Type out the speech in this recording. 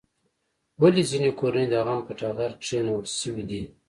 ولې ځینې کورنۍ د غم په ټغر کېنول شوې دي؟